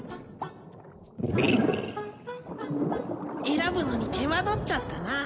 選ぶのに手間取っちゃったな。